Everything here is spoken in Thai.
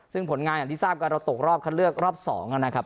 ซึ่งผลงานอย่างที่ทราบกันเราตกรอบคัดเลือกรอบ๒นะครับ